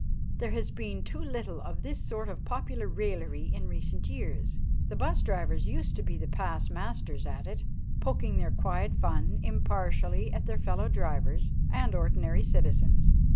There has been too little of this sort of popular raillery in recent years. The bus drivers used to be past masters at it, poking their quiet fun impartially at their fellow drivers and ordinary citizens.